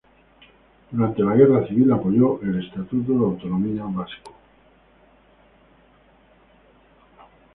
Durante la Guerra Civil apoyó el estatuto de autonomía vasco.